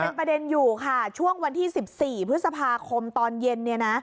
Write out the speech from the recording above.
มันเป็นประเด็นอยู่ค่ะช่วงวันที่๑๔พฤษภาคมตอนเย็น